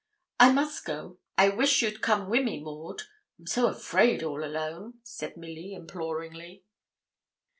'I must go. I wish you'd come wi' me, Maud, I'm so afraid all alone,' said Milly, imploringly.